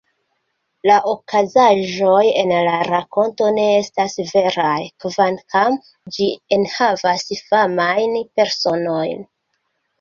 La okazaĵoj en la rakonto ne estas veraj, kvankam ĝi enhavas famajn personojn.